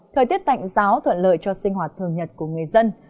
thời tiết tạnh giáo thuận lợi cho sinh hoạt thường nhật của người dân